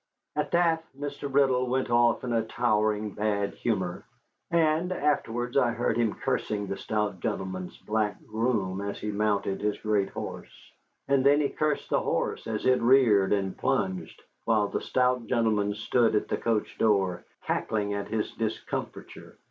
At that Mr. Riddle went off in a towering bad humor, and afterwards I heard him cursing the stout gentleman's black groom as he mounted his great horse. And then he cursed the horse as it reared and plunged, while the stout gentleman stood at the coach door, cackling at his discomfiture.